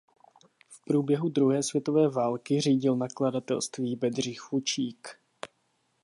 V průběhu druhé světové války řídil nakladatelství Bedřich Fučík.